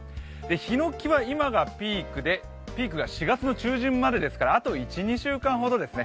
ヒノキは今がピークでピークが４月中旬までですからあと１２週間ほどですね。